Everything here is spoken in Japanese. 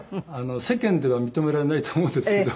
世間では認められないと思うんですけど。